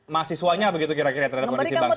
mahasiswanya begitu kira kira terhadap kondisi bangsa